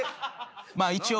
まあ一応。